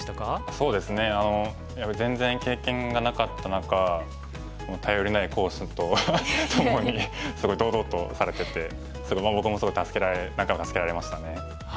そうですね全然経験がなかった中頼りない講師とともにすごい堂々とされててすごい僕も何回も助けられましたね。